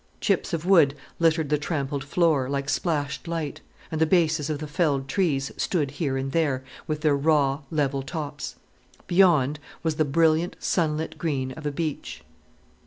Chips of wood littered the trampled floor, like splashed light, and the bases of the felled trees stood here and there, with their raw, level tops. Beyond was the brilliant, sunlit green of a beech.